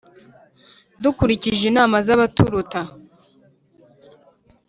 dukurikize inama z' abaturuta,